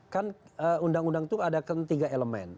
kan undang undang itu ada tiga elemen